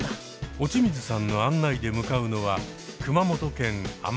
落水さんの案内で向かうのは熊本県天草。